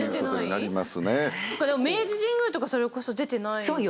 明治神宮とかそれこそ出てないですもんね。